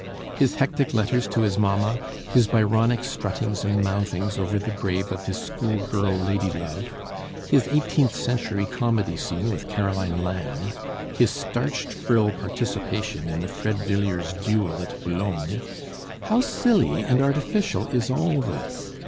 His hectic letters to his mamma; his Byronic struttings and mouthings over the grave of his schoolgirl lady love; his eighteenth century comedy scene with Caroline Lamb; his starched frill participation in the Fred Villiers duel at Boulogne, how silly and artificial is all this!